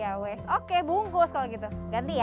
yawes oke bungkus kalau gitu ganti ya